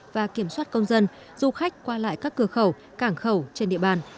và kiểm soát công dân du khách qua lại các cửa khẩu cảng khẩu trên địa bàn